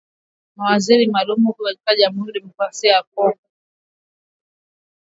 Viungo vya ndani kuvimba na kugeuka vyekundu majimaji kwenye mapafu majimaji yasiyo na rangi